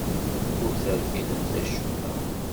Ur terfidemt acemma.